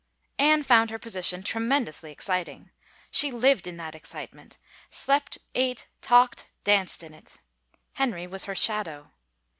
Anne found her position tremendously exciting. She lived in that excitement, slept, ate, talked, danced in it. Henry was her shadow.